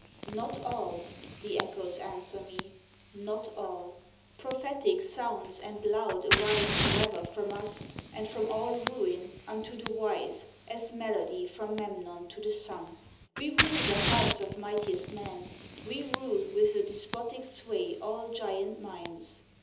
"Not all" the Echoes answer me "not all! Prophetic sounds and loud, arise forever From us, and from all Ruin, unto the wise, As melody from Memnon to the Sun. We rule the hearts of mightiest men we rule With a despotic sway all giant minds.